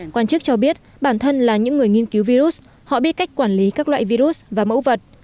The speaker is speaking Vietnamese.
quan chức cho biết bản thân là những người nghiên cứu virus họ biết cách quản lý các loại virus và mẫu vật